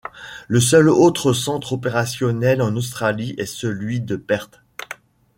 Le seul autre centre opérationnel en Australie est celui de Perth.